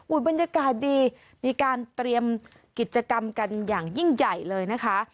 บรรยากาศดีมีการเตรียมกิจกรรมกันอย่างยิ่งใหญ่เลยนะคะ